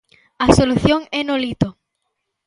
A solución é Nolito.